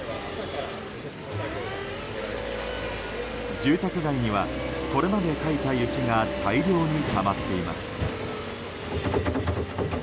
住宅街にはこれまでかいた雪が大量にたまっています。